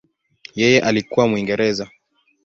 Yeye alikuwa Mwingereza.